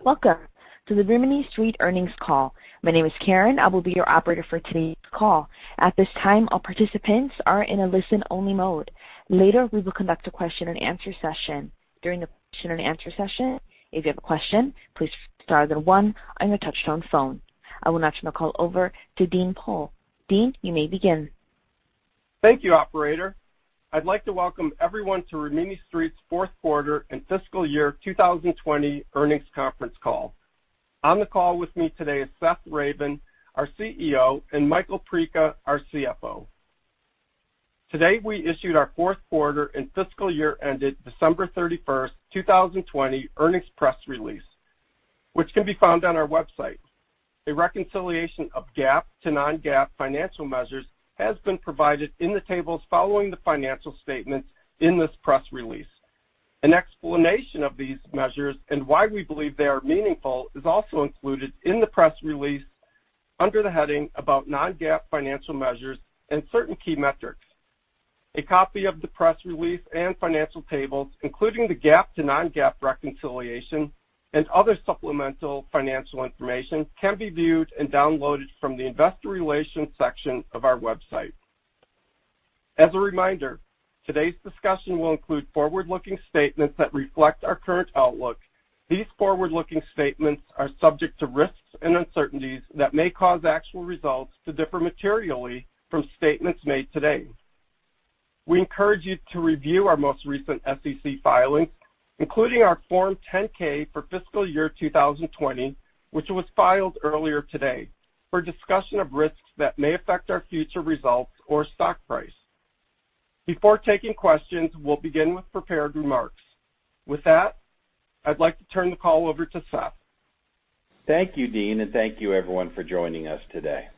Welcome to the Rimini Street earnings call. My name is Karen. I will be your operator for today's call. At this time, all participants are in a listen-only mode. Later, we will conduct a question and answer session. During the question and answer session, if you have a question, please star then one on your touch-tone phone. I will now turn the call over to Dean Pohl. Dean, you may begin. Thank you, operator. I'd like to welcome everyone to Rimini Street's fourth quarter and fiscal year 2020 earnings conference call. On the call with me today is Seth Ravin, our CEO, and Michael Perica, our CFO. Today, we issued our fourth quarter and fiscal year ended December 31st, 2020, earnings press release, which can be found on our website. A reconciliation of GAAP to non-GAAP financial measures has been provided in the tables following the financial statements in this press release. An explanation of these measures and why we believe they are meaningful is also included in the press release under the heading About Non-GAAP Financial Measures and Certain Key Metrics. A copy of the press release and financial tables, including the GAAP to non-GAAP reconciliation and other supplemental financial information, can be viewed and downloaded from the investor relations section of our website. As a reminder, today's discussion will include forward-looking statements that reflect our current outlook. These forward-looking statements are subject to risks and uncertainties that may cause actual results to differ materially from statements made today. We encourage you to review our most recent SEC filings, including our Form 10-K for fiscal year 2020, which was filed earlier today, for a discussion of risks that may affect our future results or stock price. Before taking questions, we'll begin with prepared remarks. With that, I'd like to turn the call over to Seth. Thank you, Dean, and thank you everyone for joining us today.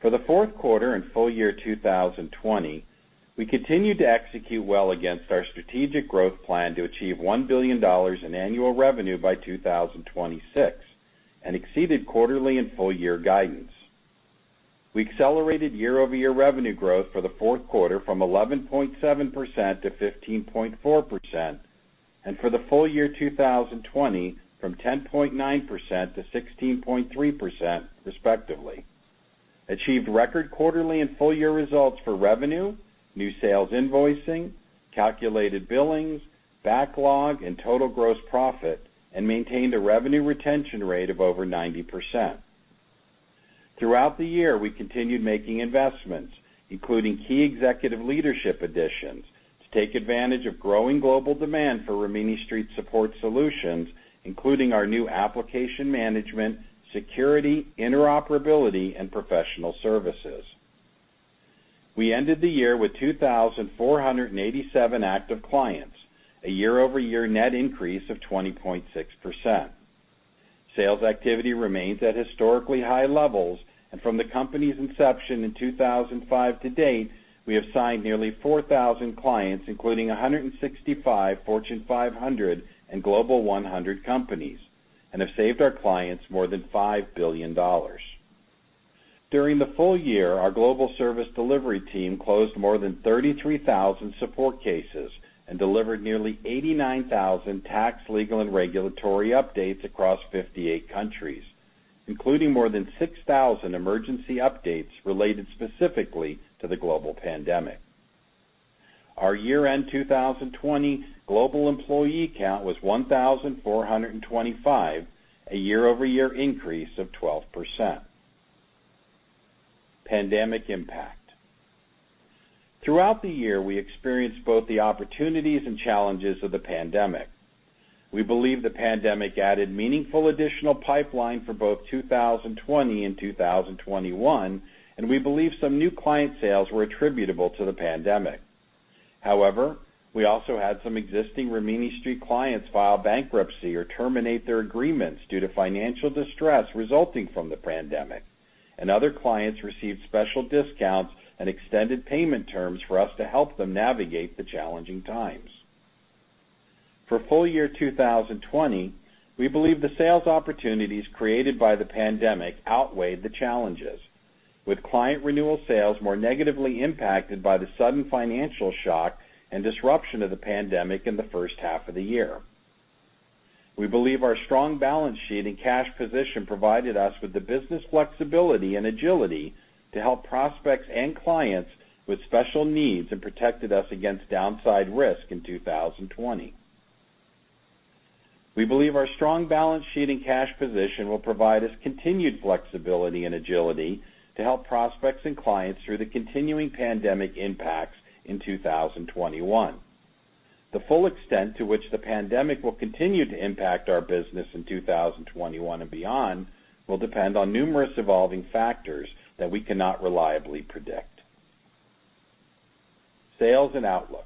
For the fourth quarter and full year 2020, we continued to execute well against our strategic growth plan to achieve $1 billion in annual revenue by 2026 and exceeded quarterly and full-year guidance. We accelerated year-over-year revenue growth for the fourth quarter from 11.7% to 15.4%, and for the full year 2020 from 10.9% to 16.3%, respectively, achieved record quarterly and full-year results for revenue, new sales invoicing, calculated billings, backlog, and total gross profit, and maintained a revenue retention rate of over 90%. Throughout the year, we continued making investments, including key executive leadership additions, to take advantage of growing global demand for Rimini Street support solutions, including our new application management, security, interoperability, and professional services. We ended the year with 2,487 active clients, a year-over-year net increase of 20.6%. Sales activity remains at historically high levels, and from the company's inception in 2005 to date, we have signed nearly 4,000 clients, including 165 Fortune 500 and Global 100 companies, and have saved our clients more than $5 billion. During the full year, our global service delivery team closed more than 33,000 support cases and delivered nearly 89,000 tax, legal, and regulatory updates across 58 countries, including more than 6,000 emergency updates related specifically to the global pandemic. Our year-end 2020 global employee count was 1,425, a year-over-year increase of 12%. Pandemic impact. Throughout the year, we experienced both the opportunities and challenges of the pandemic. We believe the pandemic added meaningful additional pipeline for both 2020 and 2021, and we believe some new client sales were attributable to the pandemic. However, we also had some existing Rimini Street clients file bankruptcy or terminate their agreements due to financial distress resulting from the pandemic, and other clients received special discounts and extended payment terms for us to help them navigate the challenging times. For full year 2020, we believe the sales opportunities created by the pandemic outweighed the challenges, with client renewal sales more negatively impacted by the sudden financial shock and disruption of the pandemic in the first half of the year. We believe our strong balance sheet and cash position provided us with the business flexibility and agility to help prospects and clients with special needs and protected us against downside risk in 2020. We believe our strong balance sheet and cash position will provide us continued flexibility and agility to help prospects and clients through the continuing pandemic impacts in 2021. The full extent to which the pandemic will continue to impact our business in 2021 and beyond will depend on numerous evolving factors that we cannot reliably predict. Sales and outlook.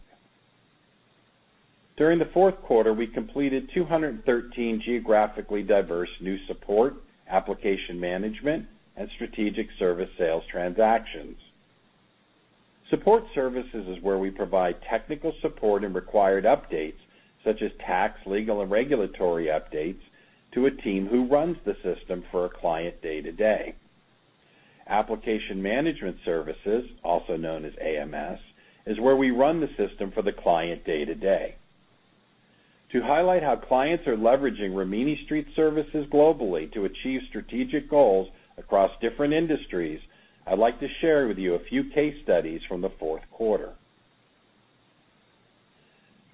During the fourth quarter, we completed 213 geographically diverse new support, application management, and strategic service sales transactions. Support services is where we provide technical support and required updates, such as tax, legal, and regulatory updates, to a team who runs the system for a client day to day. Application Management Services, also known as AMS, is where we run the system for the client day-to-day. To highlight how clients are leveraging Rimini Street services globally to achieve strategic goals across different industries, I'd like to share with you a few case studies from the fourth quarter.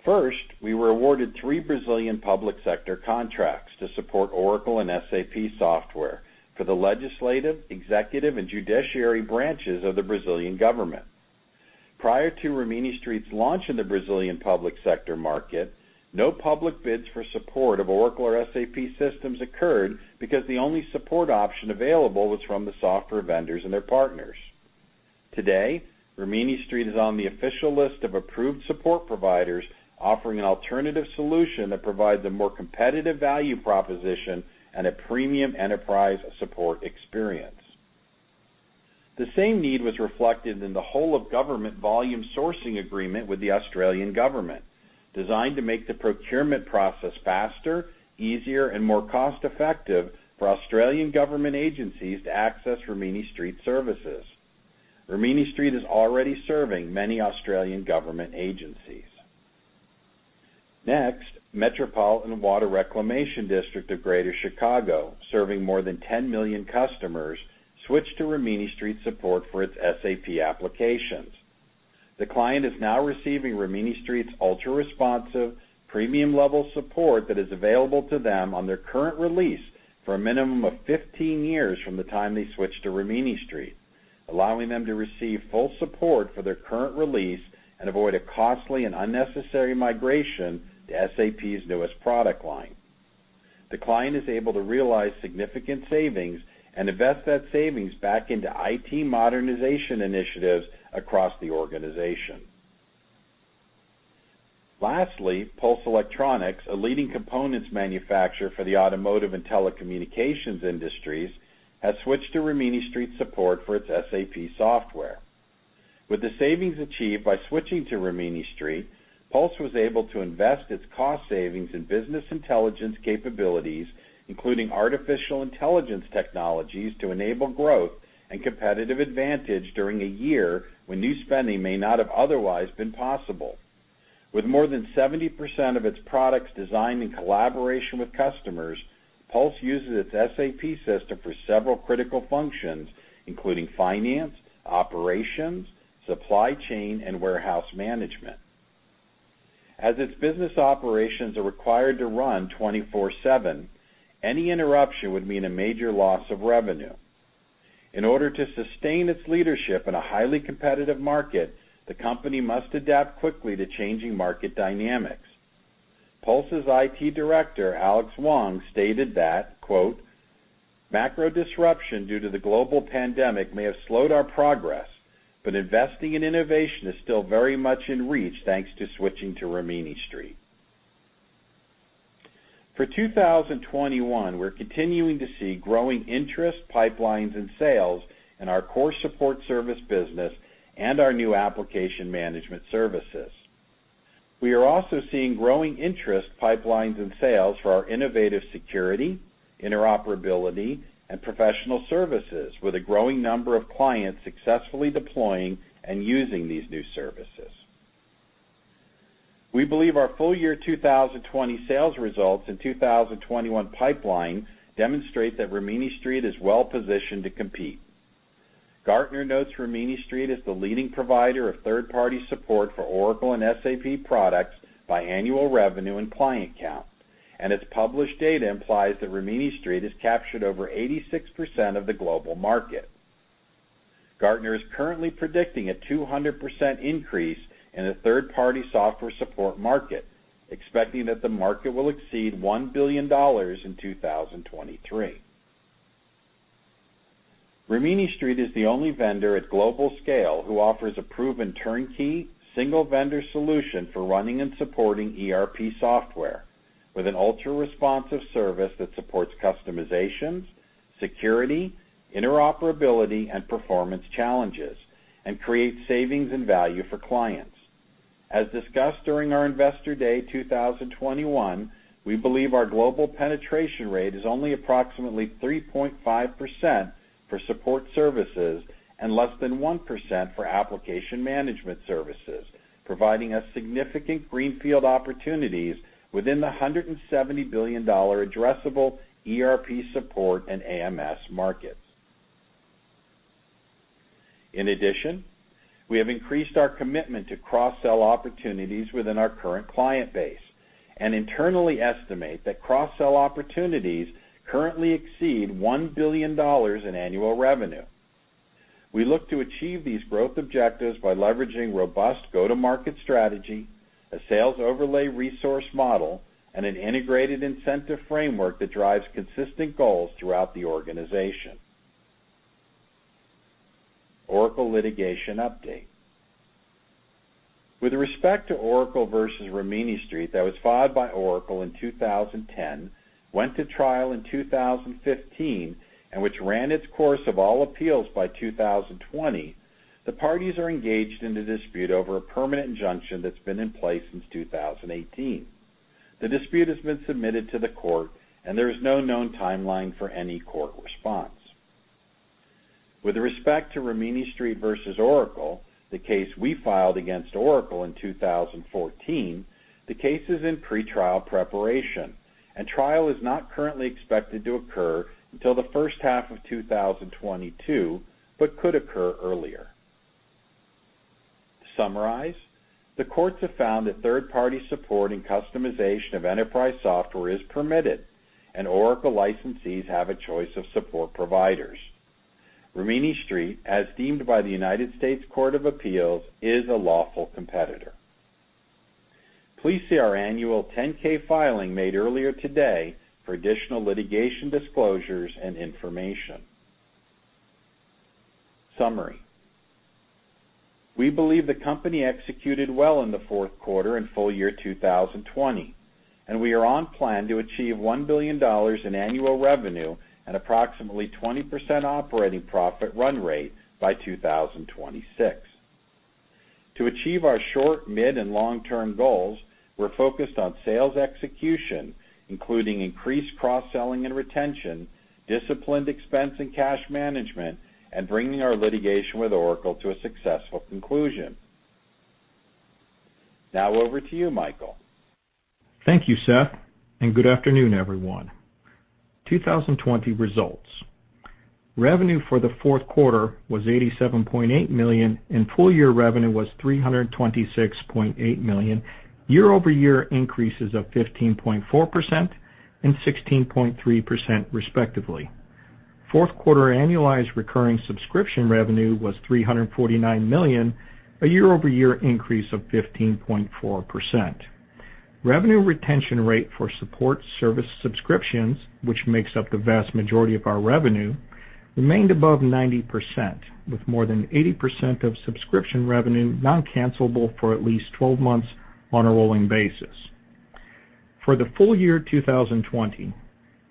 First, we were awarded three Brazilian public sector contracts to support Oracle and SAP software for the legislative, executive and judiciary branches of the Brazilian government. Prior to Rimini Street's launch in the Brazilian public sector market, no public bids for support of Oracle or SAP systems occurred because the only support option available was from the software vendors and their partners. Today, Rimini Street is on the official list of approved support providers offering an alternative solution that provides a more competitive value proposition and a premium enterprise support experience. The same need was reflected in the Whole of Government volume sourcing agreement with the Australian government, designed to make the procurement process faster, easier and more cost-effective for Australian government agencies to access Rimini Street services. Rimini Street is already serving many Australian government agencies. Next, Metropolitan Water Reclamation District of Greater Chicago, serving more than 10 million customers, switched to Rimini Street support for its SAP applications. The client is now receiving Rimini Street's ultra-responsive, premium-level support that is available to them on their current release for a minimum of 15 years from the time they switch to Rimini Street, allowing them to receive full support for their current release and avoid a costly and unnecessary migration to SAP's newest product line. The client is able to realize significant savings and invest that savings back into IT modernization initiatives across the organization. Lastly, Pulse Electronics, a leading components manufacturer for the automotive and telecommunications industries, has switched to Rimini Street support for its SAP software. With the savings achieved by switching to Rimini Street, Pulse was able to invest its cost savings in business intelligence capabilities, including artificial intelligence technologies, to enable growth and competitive advantage during a year when new spending may not have otherwise been possible. With more than 70% of its products designed in collaboration with customers, Pulse uses its SAP system for several critical functions, including finance, operations, supply chain, and warehouse management. As its business operations are required to run 24/7, any interruption would mean a major loss of revenue. In order to sustain its leadership in a highly competitive market, the company must adapt quickly to changing market dynamics. Pulse's IT director, Alex Wang, stated that, quote, "Macro disruption due to the global pandemic may have slowed our progress, but investing in innovation is still very much in reach thanks to switching to Rimini Street." For 2021, we're continuing to see growing interest, pipelines and sales in our core support service business and our new application management services. We are also seeing growing interest pipelines and sales for our innovative security, interoperability and professional services, with a growing number of clients successfully deploying and using these new services. We believe our full year 2020 sales results and 2021 pipeline demonstrate that Rimini Street is well-positioned to compete. Gartner notes Rimini Street as the leading provider of third-party support for Oracle and SAP products by annual revenue and client count, and its published data implies that Rimini Street has captured over 86% of the global market. Gartner is currently predicting a 200% increase in the third-party software support market, expecting that the market will exceed $1 billion in 2023. Rimini Street is the only vendor at global scale who offers a proven turnkey, single-vendor solution for running and supporting ERP software with an ultra-responsive service that supports customizations, security, interoperability and performance challenges and creates savings and value for clients. As discussed during our Investor Day 2021, we believe our global penetration rate is only approximately 3.5% for support services and less than 1% for application management services, providing us significant greenfield opportunities within the $170 billion addressable ERP support and AMS markets. In addition, we have increased our commitment to cross-sell opportunities within our current client base and internally estimate that cross-sell opportunities currently exceed $1 billion in annual revenue. We look to achieve these growth objectives by leveraging robust go-to-market strategy, a sales overlay resource model, and an integrated incentive framework that drives consistent goals throughout the organization. Oracle litigation update. With respect to Oracle v. Rimini Street that was filed by Oracle in 2010, went to trial in 2015, and which ran its course of all appeals by 2020, the parties are engaged in a dispute over a permanent injunction that's been in place since 2018. The dispute has been submitted to the court, there is no known timeline for any court response. With respect to Rimini Street v. Oracle, the case we filed against Oracle in 2014, the case is in pretrial preparation, and trial is not currently expected to occur until the first half of 2022, but could occur earlier. To summarize, the courts have found that third-party support and customization of enterprise software is permitted, and Oracle licensees have a choice of support providers. Rimini Street, as deemed by the United States Court of Appeals, is a lawful competitor. Please see our annual 10-K filing made earlier today for additional litigation disclosures and information. Summary. We believe the company executed well in the fourth quarter and full year 2020. We are on plan to achieve $1 billion in annual revenue and approximately 20% operating profit run rate by 2026. To achieve our short, mid, and long-term goals, we're focused on sales execution, including increased cross-selling and retention, disciplined expense and cash management, and bringing our litigation with Oracle to a successful conclusion. Now over to you, Michael. Thank you, Seth, and good afternoon, everyone. 2020 results. Revenue for the fourth quarter was $87.8 million, and full-year revenue was $326.8 million, year-over-year increases of 15.4% and 16.3% respectively. Fourth quarter annualized recurring subscription revenue was $349 million, a year-over-year increase of 15.4%. Revenue retention rate for support service subscriptions, which makes up the vast majority of our revenue, remained above 90%, with more than 80% of subscription revenue non-cancelable for at least 12 months on a rolling basis. For the full year 2020,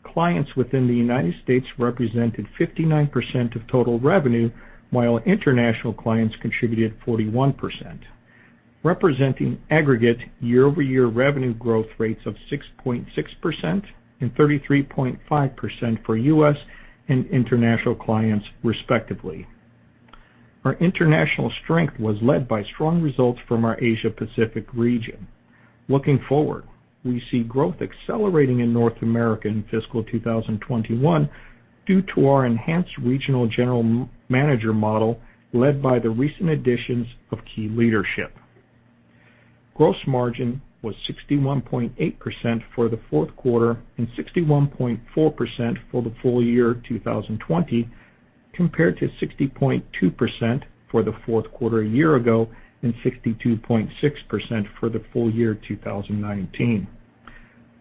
clients within the United States represented 59% of total revenue, while international clients contributed 41%, representing aggregate year-over-year revenue growth rates of 6.6% and 33.5% for U.S. and international clients, respectively. Our international strength was led by strong results from our Asia-Pacific region. Looking forward, we see growth accelerating in North America in fiscal 2021 due to our enhanced regional general manager model, led by the recent additions of key leadership. Gross margin was 61.8% for the fourth quarter and 61.4% for the full year 2020, compared to 60.2% for the fourth quarter a year ago and 62.6% for the full year 2019.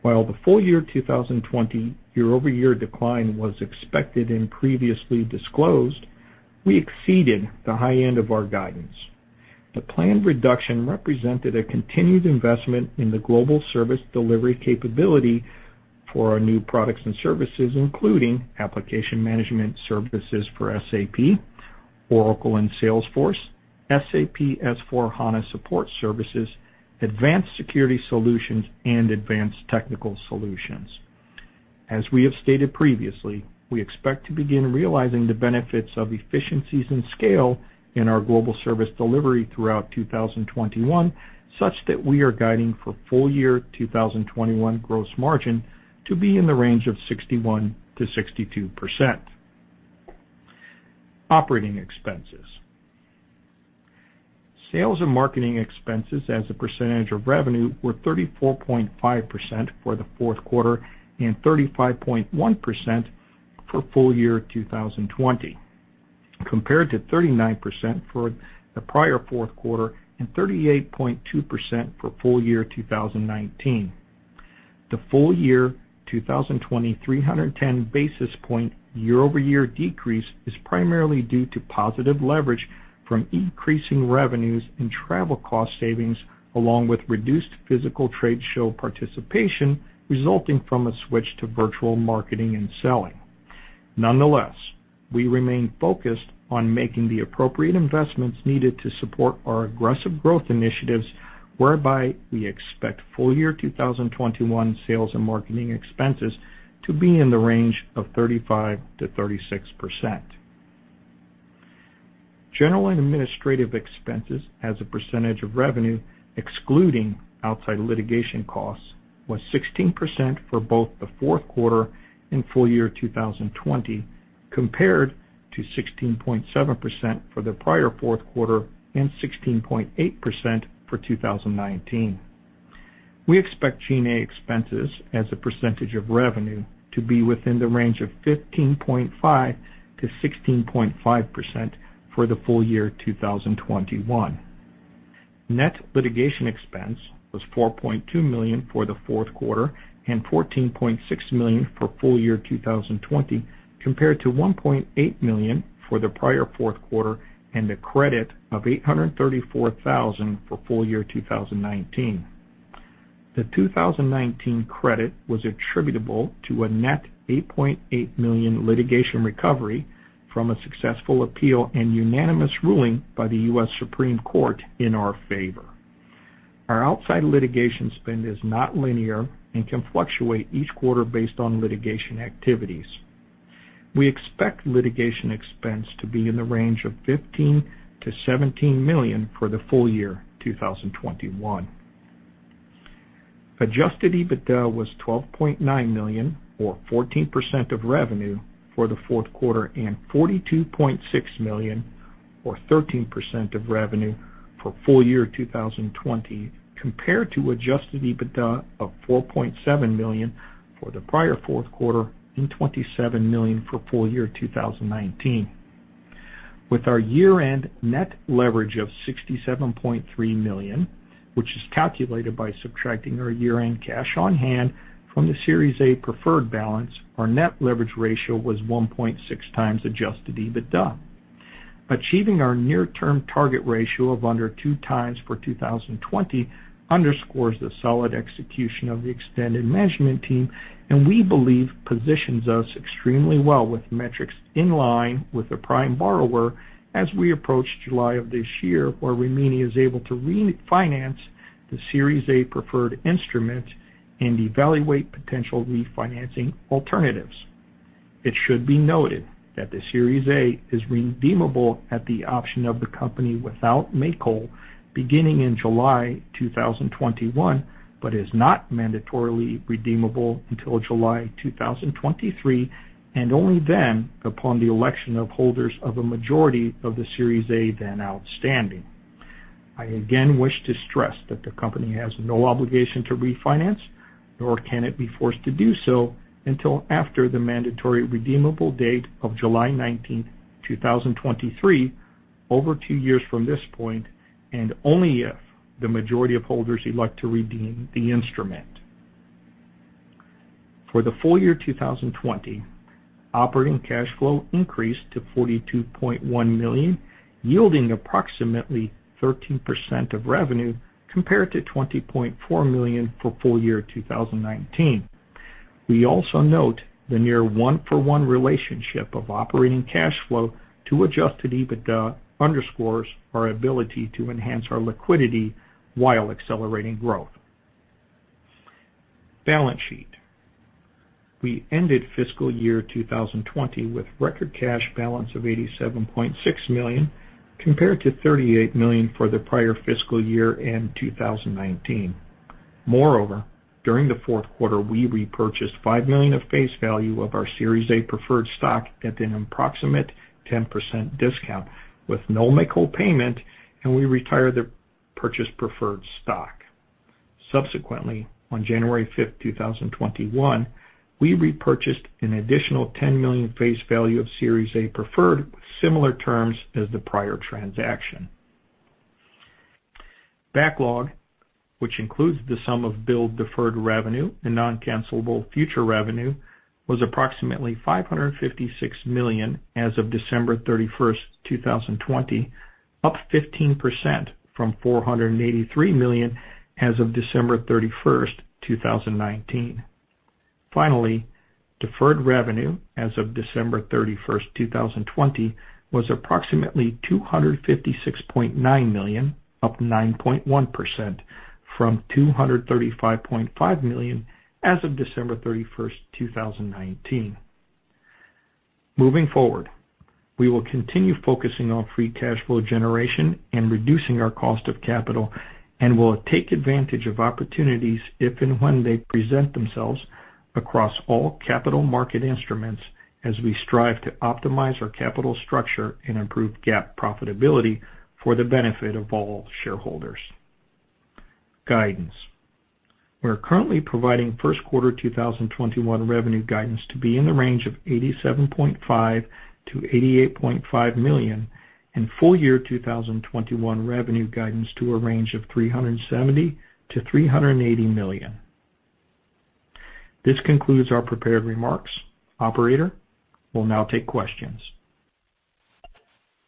While the full year 2020 year-over-year decline was expected and previously disclosed, we exceeded the high end of our guidance. The planned reduction represented a continued investment in the global service delivery capability for our new products and services, including application management services for SAP, Oracle, and Salesforce, SAP S/4HANA support services, advanced security solutions, and advanced technical solutions. As we have stated previously, we expect to begin realizing the benefits of efficiencies in scale in our global service delivery throughout 2021, such that we are guiding for full year 2021 gross margin to be in the range of 61%-62%. Operating expenses. Sales and marketing expenses as a percentage of revenue were 34.5% for the fourth quarter and 35.1% for full year 2020, compared to 39% for the prior fourth quarter and 38.2% for full year 2019. The full year 2020 310 basis point year-over-year decrease is primarily due to positive leverage from increasing revenues and travel cost savings, along with reduced physical trade show participation resulting from a switch to virtual marketing and selling. Nonetheless, we remain focused on making the appropriate investments needed to support our aggressive growth initiatives, whereby we expect full year 2021 sales and marketing expenses to be in the range of 35%-36%. General and administrative expenses as a percentage of revenue, excluding outside litigation costs, was 16% for both the fourth quarter and full year 2020, compared to 16.7% for the prior fourth quarter and 16.8% for 2019. We expect G&A expenses as a percentage of revenue to be within the range of 15.5%-16.5% for the full year 2021. Net litigation expense was $4.2 million for the fourth quarter and $14.6 million for full year 2020, compared to $1.8 million for the prior fourth quarter and a credit of 834,000 for full year 2019. The 2019 credit was attributable to a net $8.8 million litigation recovery from a successful appeal and unanimous ruling by the U.S. Supreme Court in our favor. Our outside litigation spend is not linear and can fluctuate each quarter based on litigation activities. We expect litigation expense to be in the range of $15 million-$17 million for the full year 2021. Adjusted EBITDA was $12.9 million, or 14% of revenue for the fourth quarter, and $42.6 million or 13% of revenue for full year 2020, compared to Adjusted EBITDA of $4.7 million for the prior fourth quarter and $27 million for full year 2019. With our year-end net leverage of $67.3 million, which is calculated by subtracting our year-end cash on hand from the Series A Preferred balance, our net leverage ratio was 1.6 times Adjusted EBITDA. Achieving our near-term target ratio of under two times for 2020 underscores the solid execution of the extended management team, and we believe positions us extremely well with metrics in line with the prime borrower as we approach July of this year, where Rimini is able to refinance the Series A preferred instrument and evaluate potential refinancing alternatives. It should be noted that the Series A is redeemable at the option of the company without make-whole beginning in July 2021, but is not mandatorily redeemable until July 2023, and only then upon the election of holders of a majority of the Series A then outstanding. I again wish to stress that the company has no obligation to refinance, nor can it be forced to do so until after the mandatory redeemable date of July 19, 2023, over two years from this point, and only if the majority of holders elect to redeem the instrument. For the full year 2020, operating cash flow increased to $42.1 million, yielding approximately 13% of revenue, compared to $20.4 million for full year 2019. We also note the near one-for-one relationship of operating cash flow to Adjusted EBITDA underscores our ability to enhance our liquidity while accelerating growth. Balance sheet. We ended fiscal year 2020 with record cash balance of $87.6 million, compared to $38 million for the prior fiscal year end 2019. Moreover, during the fourth quarter, we repurchased $5 million of face value of our Series A Preferred Stock at an approximate 10% discount with no make-whole payment, and we retired the purchased preferred stock. Subsequently, on January 5th 2021, we repurchased an additional $10 million face value of Series A Preferred with similar terms as the prior transaction. Backlog, which includes the sum of billed deferred revenue and non-cancellable future revenue, was approximately $556 million as of December 31st 2020, up 15% from $483 million as of December 31st 2019. Finally, deferred revenue as of December 31st 2020 was approximately $256.9 million, up 9.1% from $235.5 million as of December 31st 2019. Moving forward, we will continue focusing on free cash flow generation and reducing our cost of capital, and will take advantage of opportunities if and when they present themselves across all capital market instruments as we strive to optimize our capital structure and improve GAAP profitability for the benefit of all shareholders. Guidance. We are currently providing first quarter 2021 revenue guidance to be in the range of $87.5 million-$88.5 million and full year 2021 revenue guidance to a range of $370 million-$380 million. This concludes our prepared remarks. Operator, we'll now take questions.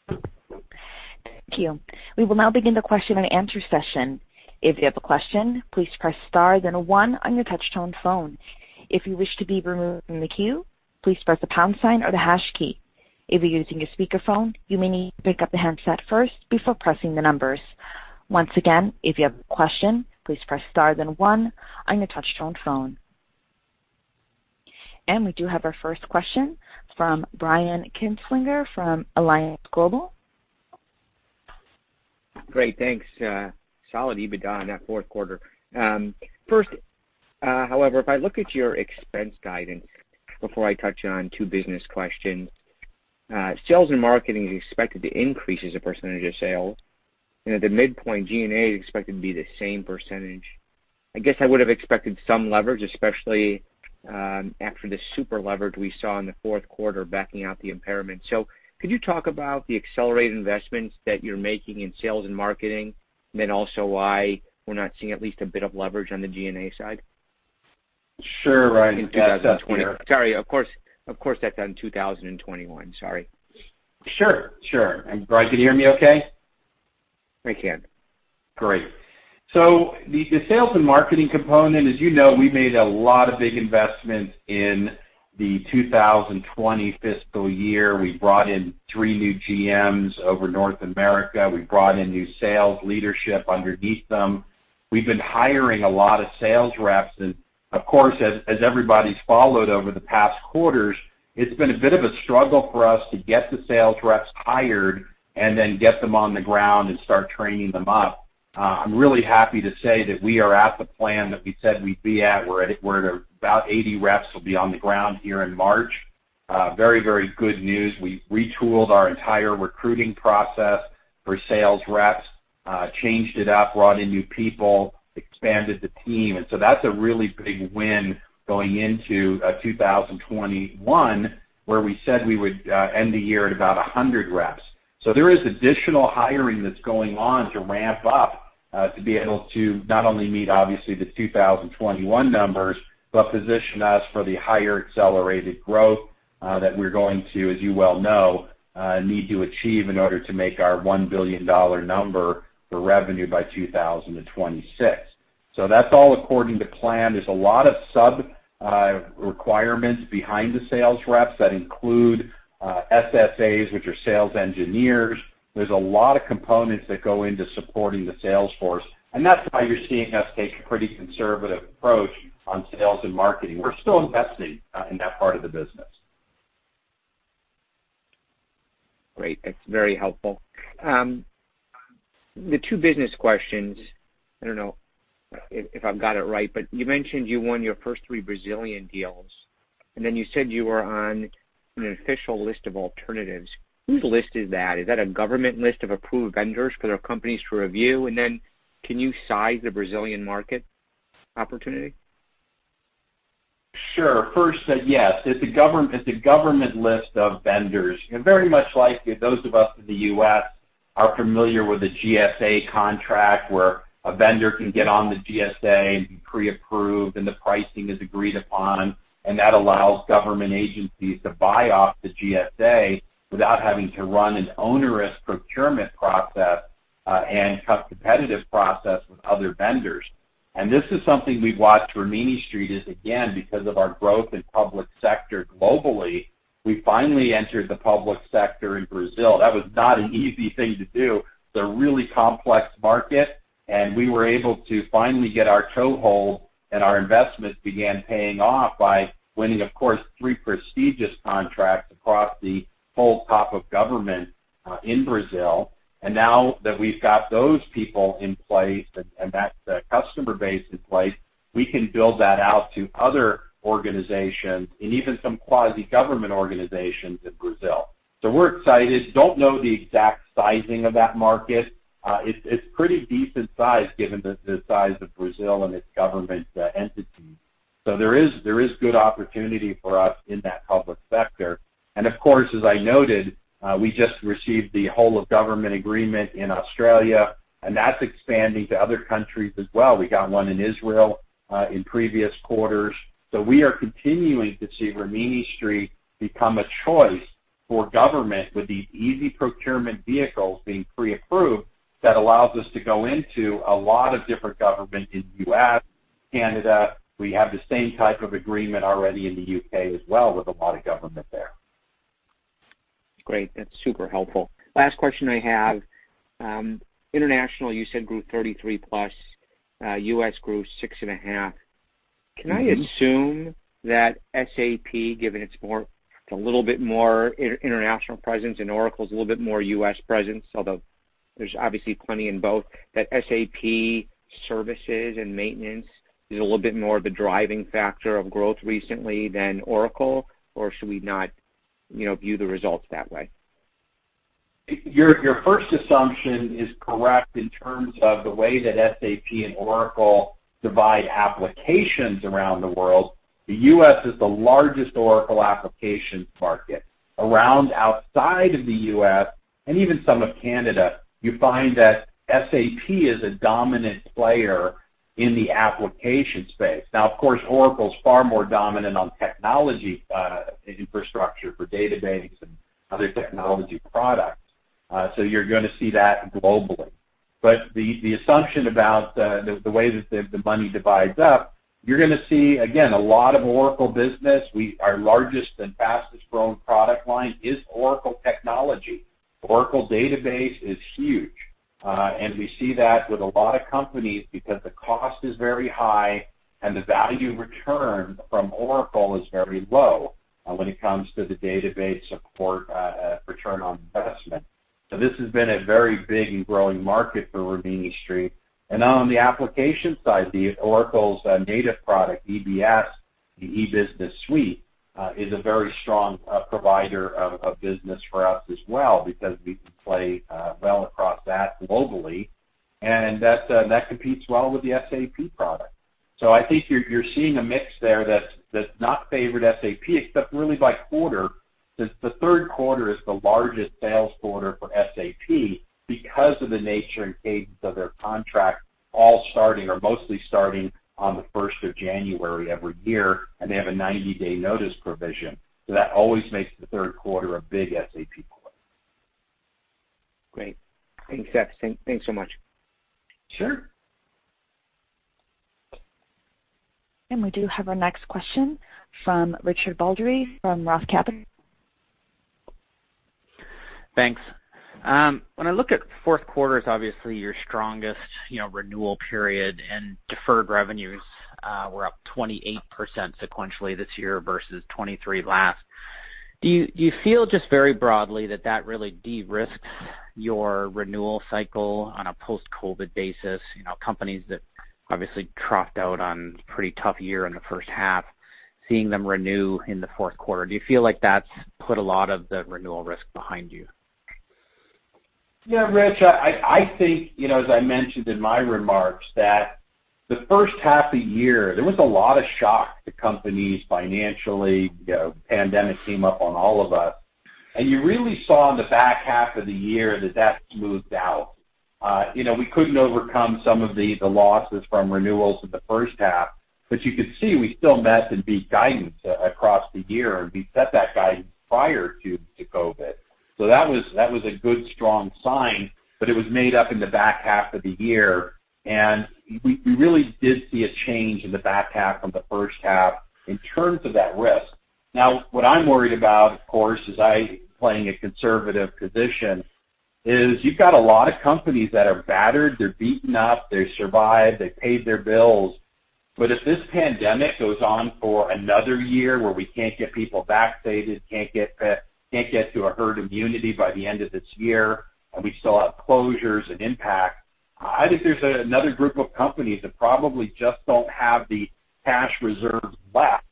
Thank you. We will now begin the question and answer session. We do have our first question from Brian Kinstlinger from Alliance Global Partners. Great, thanks. Solid EBITDA on that fourth quarter. First, however, if I look at your expense guidance, before I touch on two business questions, sales and marketing is expected to increase as a % of sales. At the midpoint, G&A is expected to be the same %. I guess I would have expected some leverage, especially after the super leverage we saw in the fourth quarter backing out the impairment. Could you talk about the accelerated investments that you're making in sales and marketing, and then also why we're not seeing at least a bit of leverage on the G&A side? Sure, Brian. In 2020. Sorry. Of course, that's on 2021, sorry. Sure. Brian, can you hear me okay? I can. Great. The sales and marketing component, as you know, we made a lot of big investments in the 2020 fiscal year. We brought in three new GMs over North America. We brought in new sales leadership underneath them. We've been hiring a lot of sales reps and, of course, as everybody's followed over the past quarters, it's been a bit of a struggle for us to get the sales reps hired and then get them on the ground and start training them up. I'm really happy to say that we are at the plan that we said we'd be at, where about 80 reps will be on the ground here in March. Very good news. We retooled our entire recruiting process for sales reps, changed it up, brought in new people, expanded the team. That's a really big win going into 2021, where we said we would end the year at about 100 reps. There is additional hiring that's going on to ramp up to be able to not only meet, obviously, the 2021 numbers, but position us for the higher accelerated growth that we're going to, as you well know, need to achieve in order to make our $1 billion number for revenue by 2026. That's all according to plan. There's a lot of sub-requirements behind the sales reps that include SEs, which are sales engineers. There's a lot of components that go into supporting the sales force. That's why you're seeing us take a pretty conservative approach on sales and marketing. We're still investing in that part of the business. Great. That's very helpful. The two business questions, I don't know if I've got it right, but you mentioned you won your first three Brazilian deals, and then you said you were on an official list of alternatives. Whose list is that? Is that a government list of approved vendors for their companies to review? Can you size the Brazilian market opportunity? Sure. First, yes, it's a government list of vendors. Very much like those of us in the U.S. are familiar with the GSA contract, where a vendor can get on the GSA and be pre-approved, and the pricing is agreed upon, and that allows government agencies to buy off the GSA without having to run an onerous procurement process and tough competitive process with other vendors. This is something we've watched Rimini Street is, again, because of our growth in public sector globally, we finally entered the public sector in Brazil. That was not an easy thing to do. It's a really complex market, and we were able to finally get our toehold, and our investment began paying off by winning, of course, three prestigious contracts across the whole top of government in Brazil. Now that we've got those people in place and that customer base in place, we can build that out to other organizations and even some quasi-government organizations in Brazil. We're excited. Don't know the exact sizing of that market. It's pretty decent size given the size of Brazil and its government entities. There is good opportunity for us in that public sector. Of course, as I noted, we just received the whole-of-government agreement in Australia, and that's expanding to other countries as well. We got one in Israel in previous quarters. We are continuing to see Rimini Street become a choice for government with these easy procurement vehicles being pre-approved. That allows us to go into a lot of different government in the U.S., Canada. We have the same type of agreement already in the U.K. as well, with a lot of government there. Great. That's super helpful. Last question I have. International, you said grew 33%+, U.S. grew 6.5%. Can I assume that SAP, given it's a little bit more international presence and Oracle is a little bit more U.S. presence, although there's obviously plenty in both, that SAP services and maintenance is a little bit more of a driving factor of growth recently than Oracle, or should we not view the results that way? Your first assumption is correct in terms of the way that SAP and Oracle divide applications around the world. The U.S. is the largest Oracle applications market. Around outside of the U.S., and even some of Canada, you find that SAP is a dominant player in the application space. Of course, Oracle is far more dominant on technology infrastructure for database and other technology products. You're going to see that globally. The assumption about the way that the money divides up, you're going to see, again, a lot of Oracle business. Our largest and fastest-growing product line is Oracle technology. Oracle Database is huge. We see that with a lot of companies because the cost is very high, and the value return from Oracle is very low when it comes to the database support return on investment. This has been a very big and growing market for Rimini Street. On the application side, Oracle's native product, EBS, the E-Business Suite, is a very strong provider of business for us as well because we can play well across that globally, and that competes well with the SAP product. I think you're seeing a mix there that's not favored SAP, except really by quarter. The third quarter is the largest sales quarter for SAP because of the nature and cadence of their contract all starting or mostly starting on the 1st of January every year, and they have a 90-day notice provision. That always makes the third quarter a big SAP quarter. Great. Thanks, Seth. Thanks so much. Sure. We do have our next question from Richard Baldry from Roth Capital Partners. Thanks. When I look at fourth quarter as obviously your strongest renewal period and deferred revenues were up 28% sequentially this year versus 23 last. Do you feel just very broadly that that really de-risked your renewal cycle on a post-COVID basis? Companies that obviously dropped out on pretty tough year in the first half, seeing them renew in the fourth quarter. Do you feel like that's put a lot of the renewal risk behind you? Rich, I think, as I mentioned in my remarks, that the first half of the year, there was a lot of shock to companies financially, pandemic came up on all of us. You really saw in the back half of the year that that smoothed out. We couldn't overcome some of the losses from renewals in the first half, you could see we still met and beat guidance across the year, we set that guidance prior to COVID. That was a good strong sign, but it was made up in the back half of the year, we really did see a change in the back half from the first half in terms of that risk. Now, what I'm worried about, of course, as I playing a conservative position, is you've got a lot of companies that are battered, they're beaten up, they survived, they paid their bills. If this pandemic goes on for another year where we can't get people vaccinated, can't get to a herd immunity by the end of this year, and we still have closures and impact, I think there's another group of companies that probably just don't have the cash reserves left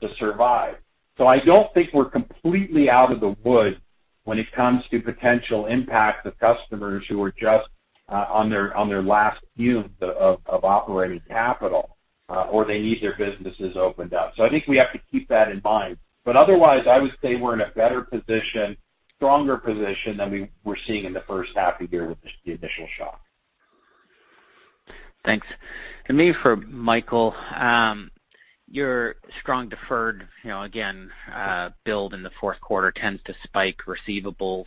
to survive. I don't think we're completely out of the woods when it comes to potential impact of customers who are just on their last fume of operating capital, or they need their businesses opened up. I think we have to keep that in mind. Otherwise, I would say we're in a better position, stronger position than we were seeing in the first half of the year with just the initial shock. Thanks. Maybe for Michael, your strong deferred, again, build in the fourth quarter tends to spike receivables.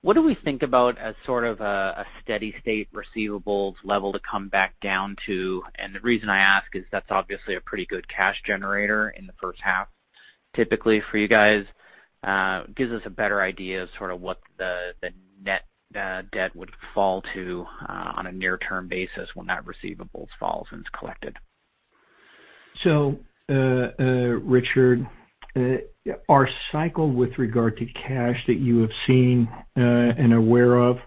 What do we think about as sort of a steady state receivables level to come back down to? The reason I ask is that's obviously a pretty good cash generator in the first half. Typically, for you guys, gives us a better idea of sort of what the net debt would fall to on a near-term basis when that receivables falls and it's collected. Richard, our cycle with regard to cash that you have seen and aware of,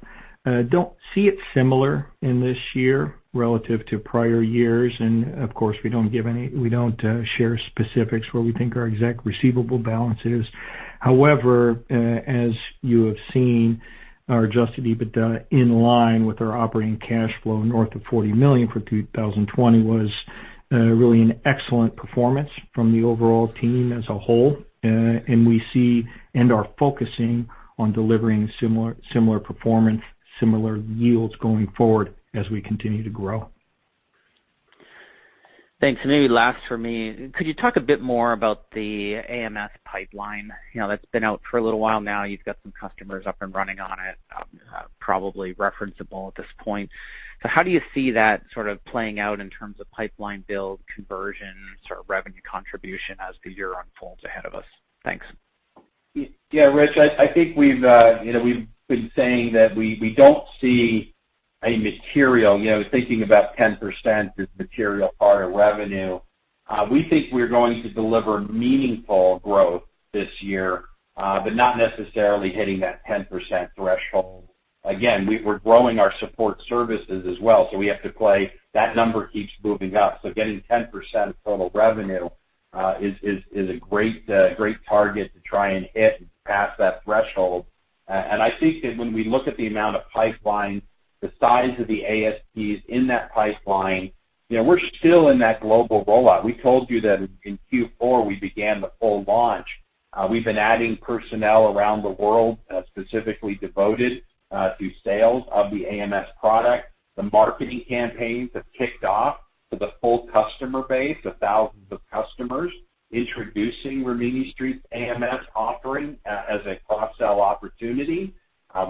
don't see it similar in this year relative to prior years. Of course, we don't share specifics where we think our exact receivable balance is. However, as you have seen, our Adjusted EBITDA in line with our operating cash flow north of $40 million for 2020 was really an excellent performance from the overall team as a whole. We see and are focusing on delivering similar performance, similar yields going forward as we continue to grow. Thanks. Maybe last for me, could you talk a bit more about the AMS pipeline? That's been out for a little while now. You've got some customers up and running on it, probably referenceable at this point. How do you see that sort of playing out in terms of pipeline build, conversion, sort of revenue contribution as the year unfolds ahead of us? Thanks. Yeah, Rich, I think we've been saying that we don't see a material, thinking about 10% as material part of revenue. We think we're going to deliver meaningful growth this year, but not necessarily hitting that 10% threshold. Again, we're growing our support services as well. That number keeps moving up. Getting 10% of total revenue is a great target to try and hit and pass that threshold. I think that when we look at the amount of pipeline, the size of the ASPs in that pipeline, we're still in that global rollout. We told you that in Q4, we began the full launch. We've been adding personnel around the world, specifically devoted to sales of the AMS product. The marketing campaigns have kicked off for the full customer base, the thousands of customers, introducing Rimini Street's AMS offering as a cross-sell opportunity.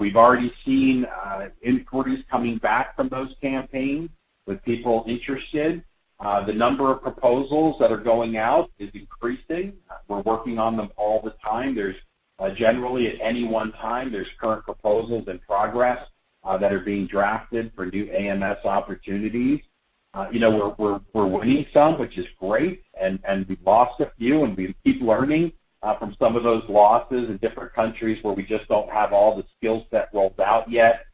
We've already seen inquiries coming back from those campaigns with people interested. The number of proposals that are going out is increasing. We're working on them all the time. There's generally at any one time, there's current proposals in progress that are being drafted for new AMS opportunities. We're winning some, which is great, and we've lost a few, and we keep learning from some of those losses in different countries where we just don't have all the skill set rolled out yet.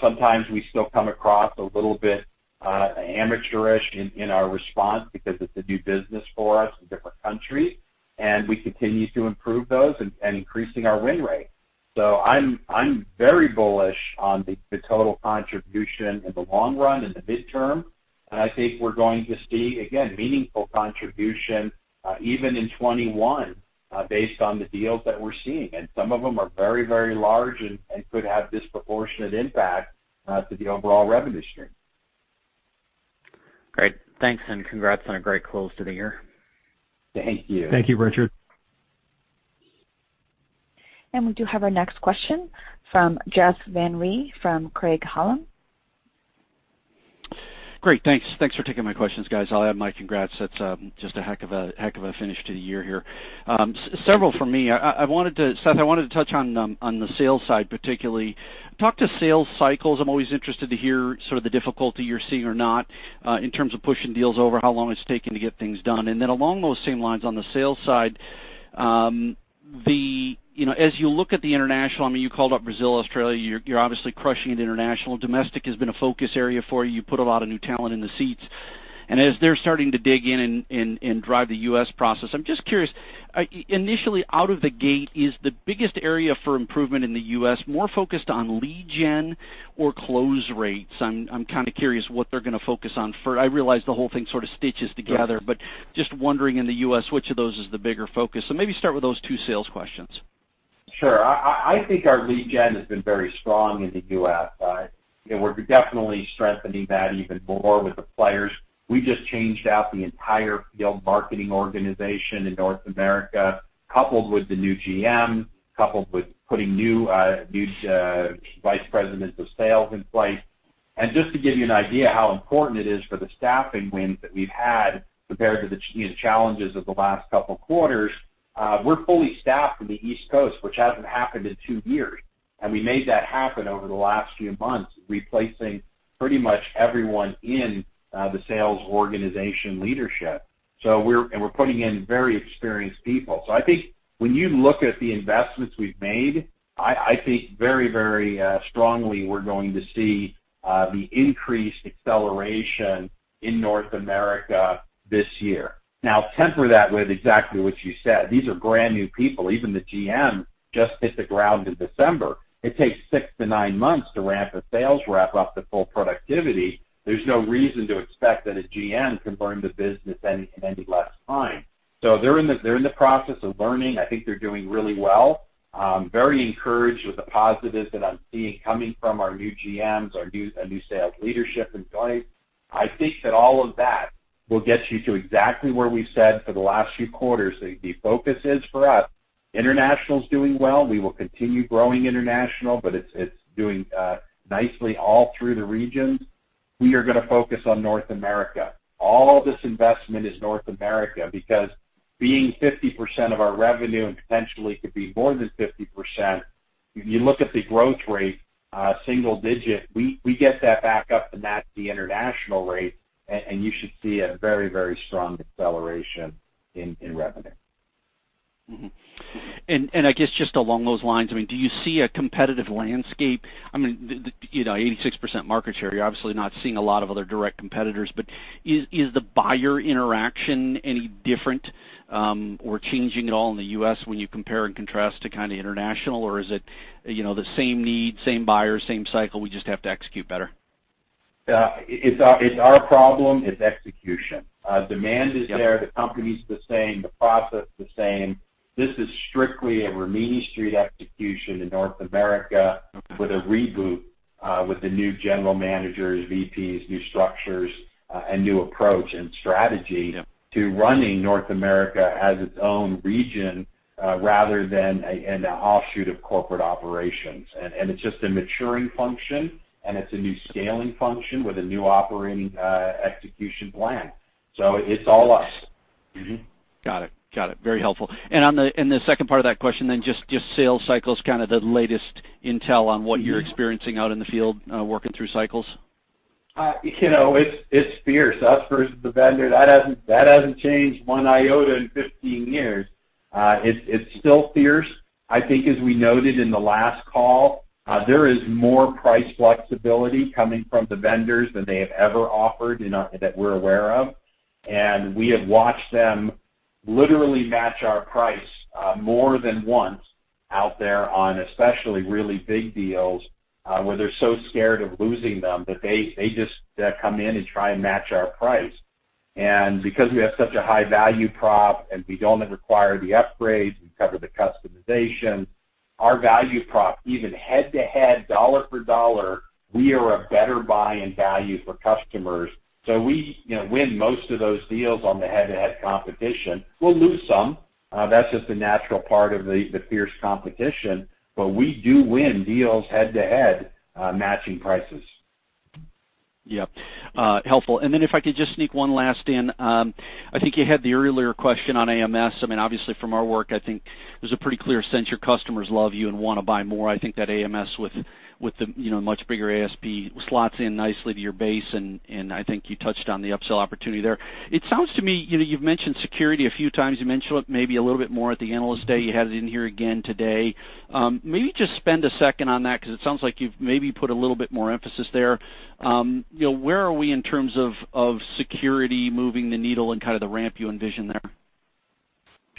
Sometimes we still come across a little bit amateurish in our response because it's a new business for us in different countries, and we continue to improve those and increasing our win rate. I'm very bullish on the total contribution in the long run, in the midterm. I think we're going to see, again, meaningful contribution even in 2021 based on the deals that we're seeing. Some of them are very large and could have disproportionate impact to the overall revenue stream. Great. Thanks, and congrats on a great close to the year. Thank you. Thank you, Richard. We do have our next question from Jeff Van Rhee from Craig-Hallum. Great. Thanks for taking my questions, guys. I'll add my congrats. That's just a heck of a finish to the year here. Several from me. Seth, I wanted to touch on the sales side, particularly. Talk to sales cycles. I'm always interested to hear sort of the difficulty you're seeing or not, in terms of pushing deals over, how long it's taking to get things done. Along those same lines, on the sales side, as you look at the international, I mean, you called out Brazil, Australia, you're obviously crushing it international. Domestic has been a focus area for you. You put a lot of new talent in the seats, and as they're starting to dig in and drive the U.S. process, I'm just curious, initially out of the gate, is the biggest area for improvement in the U.S. more focused on lead gen or close rates? I'm kind of curious what they're going to focus on. I realize the whole thing sort of stitches together, but just wondering in the U.S., which of those is the bigger focus? Maybe start with those two sales questions. Sure. I think our lead gen has been very strong in the U.S. We're definitely strengthening that even more with the players. We just changed out the entire field marketing organization in North America, coupled with the new GM, coupled with putting new vice presidents of sales in place. Just to give you an idea how important it is for the staffing wins that we've had compared to the challenges of the last couple of quarters, we're fully staffed in the East Coast, which hasn't happened in two years, and we made that happen over the last few months, replacing pretty much everyone in the sales organization leadership. We're putting in very experienced people. I think when you look at the investments we've made, I think very strongly we're going to see the increased acceleration in North America this year. Temper that with exactly what you said. These are brand-new people. Even the GM just hit the ground in December. It takes six to nine months to ramp a sales rep up to full productivity. There's no reason to expect that a GM can burn the business in any less time. They're in the process of learning. I think they're doing really well. Very encouraged with the positives that I'm seeing coming from our new GMs, our new sales leadership in place. I think that all of that will get you to exactly where we said for the last few quarters, the focus is for us. International's doing well. We will continue growing international, but it's doing nicely all through the regions. We are going to focus on North America. All this investment is North America because being 50% of our revenue and potentially could be more than 50%, you look at the growth rate, single digit, we get that back up to match the international rate, and you should see a very strong acceleration in revenue. Mm-hmm. I guess just along those lines, do you see a competitive landscape? I mean, 86% market share, you're obviously not seeing a lot of other direct competitors, but is the buyer interaction any different, or changing at all in the U.S. when you compare and contrast to kind of international? Is it the same need, same buyer, same cycle, we just have to execute better? It's our problem is execution. Demand is there. Yep the company's the same, the process the same. This is strictly a Rimini Street execution in North America with a reboot, with the new general managers, VPs, new structures, and new approach and strategy. Yep to running North America as its own region, rather than an offshoot of corporate operations. It's just a maturing function, and it's a new scaling function with a new operating execution plan. It's all us. Got it. Very helpful. On the second part of that question, then just sales cycles, kind of the latest intel on what you're experiencing out in the field, working through cycles. It's fierce. Us versus the vendor. That hasn't changed one iota in 15 years. It's still fierce. I think as we noted in the last call, there is more price flexibility coming from the vendors than they have ever offered that we're aware of. We have watched them literally match our price more than once out there on, especially really big deals, where they're so scared of losing them that they just come in and try and match our price. Because we have such a high-value prop, and we don't require the upgrades, we cover the customization. Our value prop, even head-to-head, dollar for dollar, we are a better buy-in value for customers. We win most of those deals on the head-to-head competition. We'll lose some. That's just a natural part of the fierce competition. We do win deals head-to-head, matching prices. Yep. Helpful. If I could just sneak one last in. I think you had the earlier question on AMS. I mean, obviously from our work, I think there's a pretty clear sense your customers love you and want to buy more. I think that AMS with the much bigger ASP slots in nicely to your base, and I think you touched on the upsell opportunity there. It sounds to me, you've mentioned security a few times. You mentioned it maybe a little bit more at the Analyst Day, you had it in here again today. Maybe just spend a second on that because it sounds like you've maybe put a little bit more emphasis there. Where are we in terms of security moving the needle and kind of the ramp you envision there?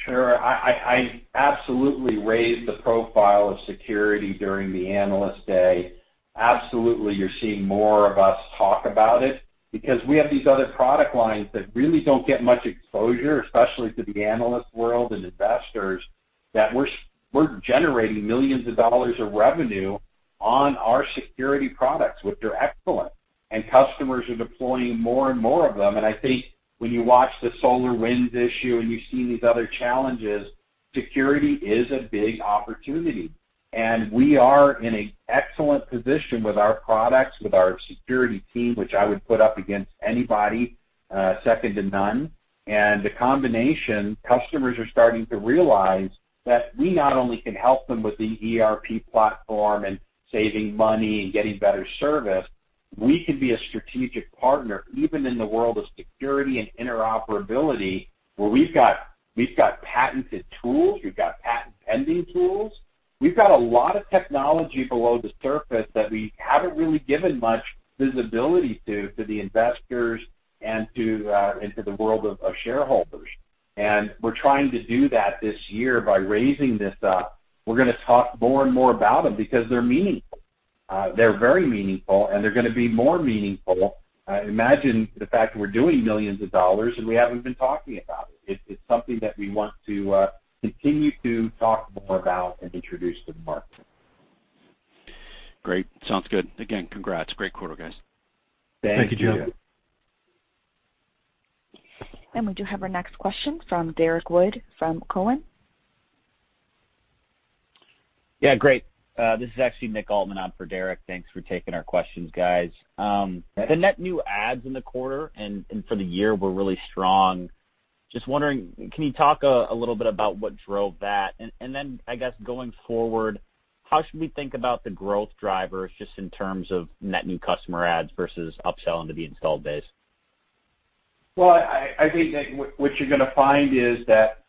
Sure. I absolutely raised the profile of security during the Analyst Day. Absolutely, you're seeing more of us talk about it because we have these other product lines that really don't get much exposure, especially to the analyst world and investors, that we're generating millions of dollars of revenue on our security products, which are excellent, and customers are deploying more and more of them. I think when you watch the SolarWinds issue and you see these other challenges, security is a big opportunity, and we are in a excellent position with our products, with our security team, which I would put up against anybody, second to none. The combination, customers are starting to realize that we not only can help them with the ERP platform and saving money and getting better service, we can be a strategic partner, even in the world of security and interoperability, where we've got patented tools, we've got patent-pending tools. We've got a lot of technology below the surface that we haven't really given much visibility to the investors and to the world of shareholders. We're trying to do that this year by raising this up. We're going to talk more and more about them because they're meaningful. They're very meaningful, and they're going to be more meaningful. Imagine the fact that we're doing millions of dollars, and we haven't been talking about it. It's something that we want to continue to talk more about and introduce to the market. Great. Sounds good. Again, congrats. Great quarter, guys. Thank you. Thank you, Joe. We do have our next question from Derrick Wood from Cowen. Yeah, great. This is actually Nick Altmann on for Derrick. Thanks for taking our questions, guys. Okay. The net new adds in the quarter and for the year were really strong. Just wondering, can you talk a little bit about what drove that? I guess, going forward, how should we think about the growth drivers just in terms of net new customer adds versus upsell into the installed base? Well, I think that what you're going to find is that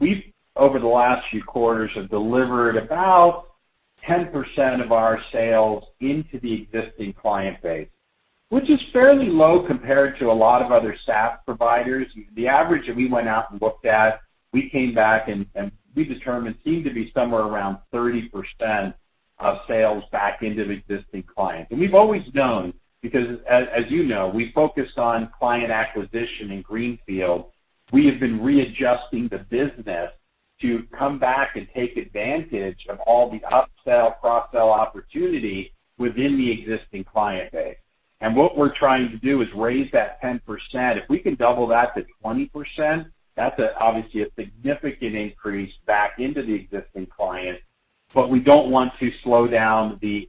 we've, over the last few quarters, have delivered about 10% of our sales into the existing client base, which is fairly low compared to a lot of other SaaS providers. The average that we went out and looked at, we came back, and we determined seemed to be somewhere around 30% of sales back into the existing clients. And we've always known because, as you know, we focused on client acquisition in greenfield. We have been readjusting the business to come back and take advantage of all the upsell, cross-sell opportunity within the existing client base. And what we're trying to do is raise that 10%. If we can double that to 20%, that's obviously a significant increase back into the existing client, but we don't want to slow down the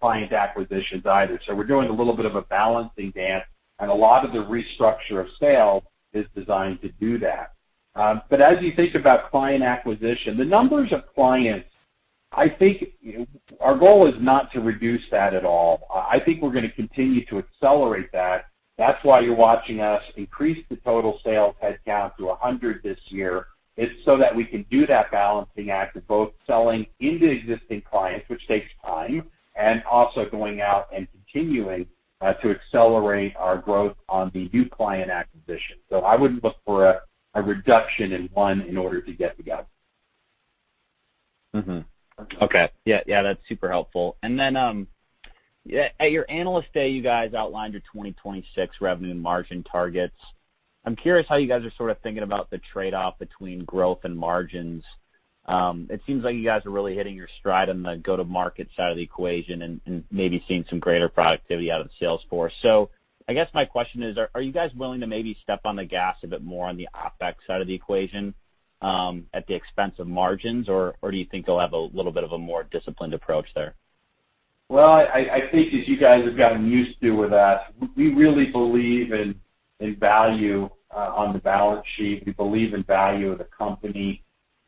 client acquisitions either. We're doing a little bit of a balancing dance, and a lot of the restructure of sales is designed to do that. As you think about client acquisition, the numbers of clients, I think our goal is not to reduce that at all. I think we're going to continue to accelerate that. That's why you're watching us increase the total sales headcount to 100 this year. It's so that we can do that balancing act of both selling into existing clients, which takes time, and also going out and continuing to accelerate our growth on the new client acquisition. I wouldn't look for a reduction in one in order to get the other. Mm-hmm. Okay. Yeah, that's super helpful. Then, at your Analyst Day, you guys outlined your 2026 revenue and margin targets. I'm curious how you guys are sort of thinking about the trade-off between growth and margins. It seems like you guys are really hitting your stride on the go-to-market side of the equation and maybe seeing some greater productivity out of the sales force. I guess my question is, are you guys willing to maybe step on the gas a bit more on the OpEx side of the equation at the expense of margins, or do you think they'll have a little bit of a more disciplined approach there? Well, I think as you guys have gotten used to with us, we really believe in value on the balance sheet. We believe in value of the company,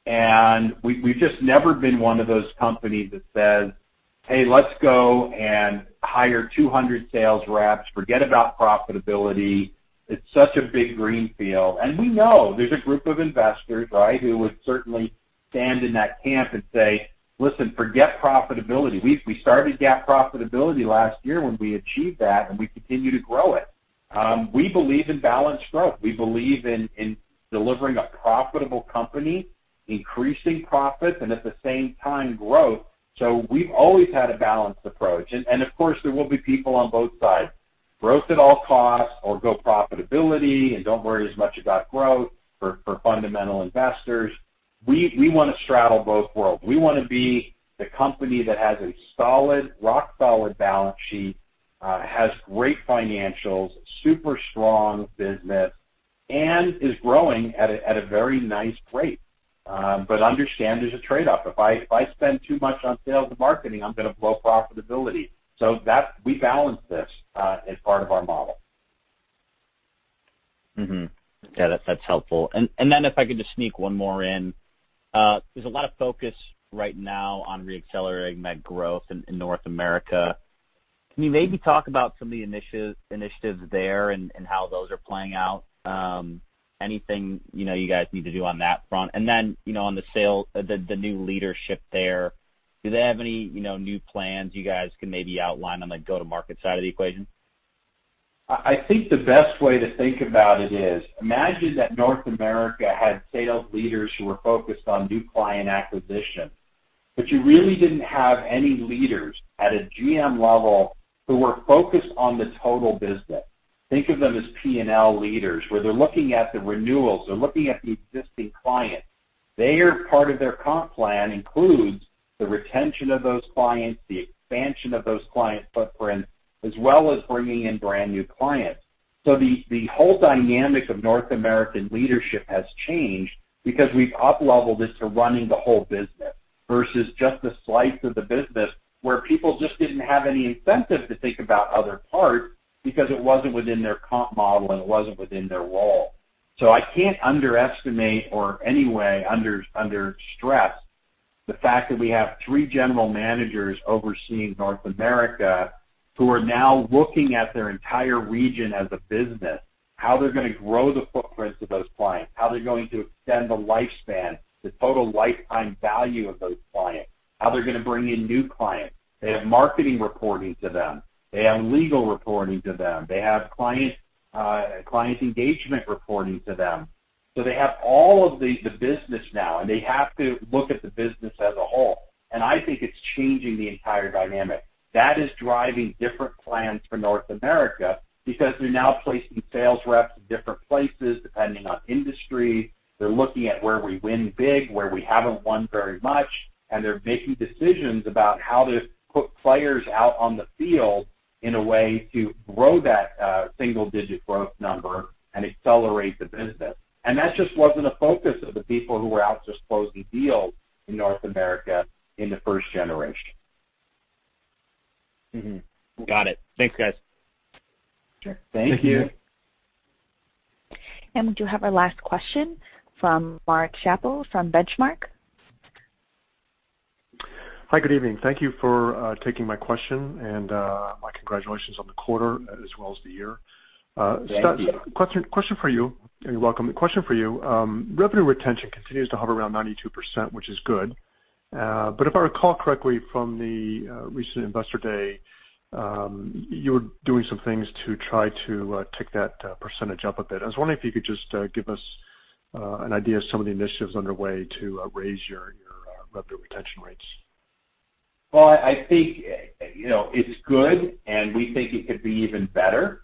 and we've just never been one of those companies that says, "Hey, let's go and hire 200 sales reps. Forget about profitability. It's such a big greenfield." We know there's a group of investors, right, who would certainly stand in that camp and say, "Listen, forget profitability." We started to gap profitability last year when we achieved that, and we continue to grow it. We believe in balanced growth. We believe in delivering a profitable company, increasing profits, and at the same time, growth. We've always had a balanced approach. Of course, there will be people on both sides, growth at all costs or go profitability and don't worry as much about growth for fundamental investors. We want to straddle both worlds. We want to be the company that has a rock-solid balance sheet, has great financials, super strong business, and is growing at a very nice rate. Understand there's a trade-off. If I spend too much on sales and marketing, I'm going to blow profitability. We balance this as part of our model. Okay, that's helpful. If I could just sneak one more in. There's a lot of focus right now on re-accelerating that growth in North America. Can you maybe talk about some of the initiatives there and how those are playing out? Anything you guys need to do on that front? On the sale, the new leadership there, do they have any new plans you guys can maybe outline on the go-to-market side of the equation? I think the best way to think about it is, imagine that North America had sales leaders who were focused on new client acquisition, but you really didn't have any leaders at a GM level who were focused on the total business. Think of them as P&L leaders, where they're looking at the renewals, they're looking at the existing clients. Their part of their comp plan includes the retention of those clients, the expansion of those client footprints, as well as bringing in brand new clients. The whole dynamic of North American leadership has changed because we've upleveled it to running the whole business versus just a slice of the business where people just didn't have any incentive to think about other parts because it wasn't within their comp model and it wasn't within their role. I can't underestimate or any way under-stress the fact that we have three general managers overseeing North America who are now looking at their entire region as a business, how they're going to grow the footprints of those clients, how they're going to extend the lifespan, the total lifetime value of those clients, how they're going to bring in new clients. They have marketing reporting to them. They have legal reporting to them. They have client engagement reporting to them. They have all of the business now, and they have to look at the business as a whole. I think it's changing the entire dynamic. That is driving different plans for North America because they're now placing sales reps in different places depending on industry. They're looking at where we win big, where we haven't won very much, and they're making decisions about how to put players out on the field in a way to grow that single-digit growth number and accelerate the business. That just wasn't a focus of the people who were out just closing deals in North America in the first generation. Mm-hmm. Got it. Thanks, guys. Sure. Thank you. Thank you. We do have our last question from Mark Schappel from Benchmark. Hi, good evening. Thank you for taking my question and my congratulations on the quarter as well as the year. Thank you. Seth, question for you. You're welcome. Question for you. Revenue retention continues to hover around 92%, which is good. If I recall correctly from the recent Investor Day, you were doing some things to try to tick that percentage up a bit. I was wondering if you could just give us an idea of some of the initiatives underway to raise your revenue retention rates. I think it's good, and we think it could be even better.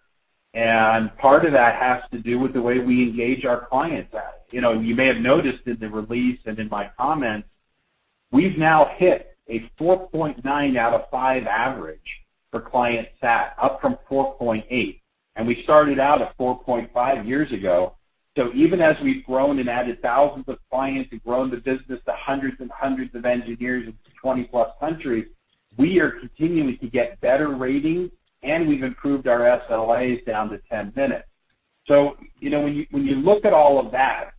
Part of that has to do with the way we engage our clients out. You may have noticed in the release and in my comments, we've now hit a 4.9 out of five average for client sat, up from 4.8. We started out at 4.5 years ago. Even as we've grown and added thousands of clients and grown the business to hundreds and hundreds of engineers in 20-plus countries, we are continuing to get better ratings, and we've improved our SLAs down to 10 minutes. When you look at all of that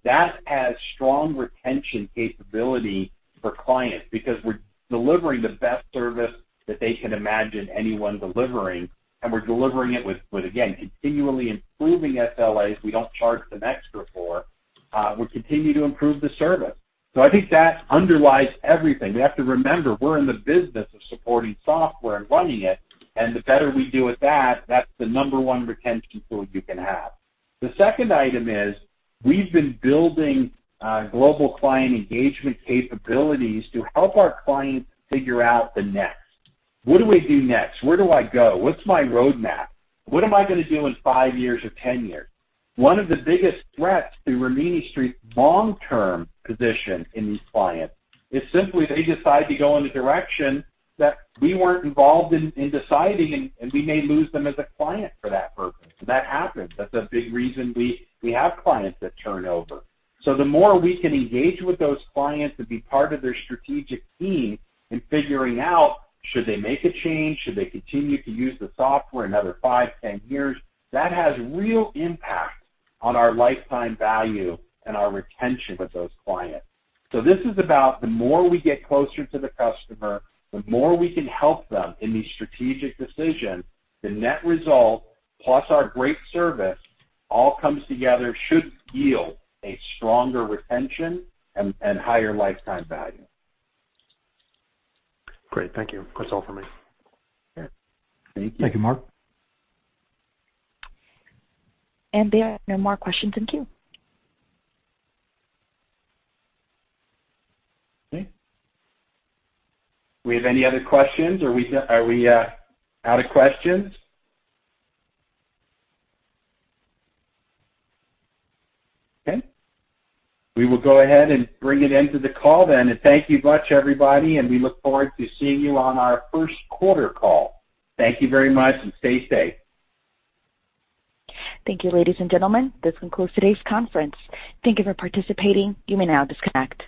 has strong retention capability for clients because we're delivering the best service that they can imagine anyone delivering, and we're delivering it with, again, continually improving SLAs we don't charge them extra for. We continue to improve the service. I think that underlies everything. We have to remember, we're in the business of supporting software and running it, and the better we do with that's the number one retention tool you can have. The second item is we've been building global client engagement capabilities to help our clients figure out the next. What do I do next? Where do I go? What's my roadmap? What am I going to do in five years or 10 years? One of the biggest threats to Rimini Street's long-term position in these clients is simply they decide to go in a direction that we weren't involved in deciding, and we may lose them as a client for that purpose. That happens. That's a big reason we have clients that turn over. The more we can engage with those clients and be part of their strategic team in figuring out should they make a change, should they continue to use the software another five, 10 years, that has real impact on our lifetime value and our retention with those clients. This is about the more we get closer to the customer, the more we can help them in these strategic decisions. The net result, plus our great service, all comes together, should yield a stronger retention and higher lifetime value. Great. Thank you. That's all for me. Okay. Thank you. Thank you, Mark. There are no more questions in queue. Okay. Do we have any other questions? Are we out of questions? Okay. We will go ahead and bring an end to the call then. Thank you much, everybody, and we look forward to seeing you on our first quarter call. Thank you very much, and stay safe. Thank you, ladies and gentlemen. This concludes today's conference. Thank you for participating. You may now disconnect.